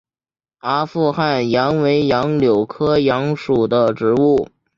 阿富汗杨为杨柳科杨属的植物。